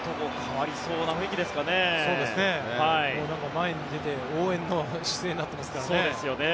前に出て応援の姿勢になってますからね。